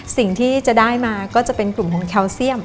สิ่งที่จะได้มาก็จะเป็นกลุ่มของแคลเซียม